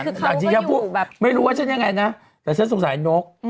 คือเขาก็อยู่ไม่รู้ว่าฉันยังไงนะแต่ฉันสงสัยนก